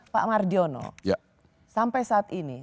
pak mardiono sampai saat ini